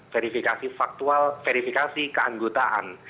verifikasi faktual verifikasi keanggotaan